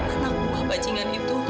anak buah bajingan itu